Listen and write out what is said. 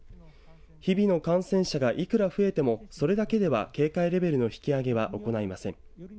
日々の感染者がいくら増えてもそれだけでは警戒レベルの引き上げは行いません。